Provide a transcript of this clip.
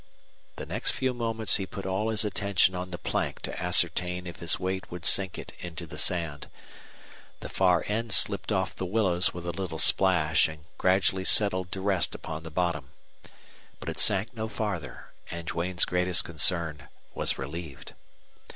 The next few moments he put all his attention on the plank to ascertain if his weight would sink it into the sand. The far end slipped off the willows with a little splash and gradually settled to rest upon the bottom. But it sank no farther, and Duane's greatest concern was relieved.